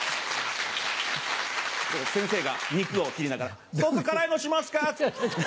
先生が肉を切りながら「ソース辛いのしますか？」。